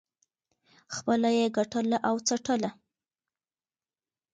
خپله یې ګټله او څټله.